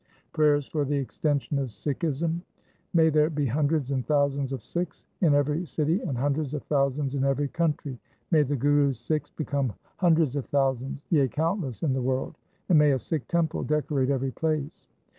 2 Prayers for the extension of Sikhism :— May there be hundreds and thousands of Sikhs in every city and hundreds of thousands in every country ! 3 May the Guru's Sikhs become hundreds of thousands, yea, countless in the world, and may a Sikh temple decorate every place